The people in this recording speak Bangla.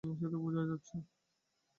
সে তো বোঝাই যাচ্ছে।